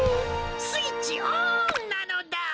スイッチオンなのだ！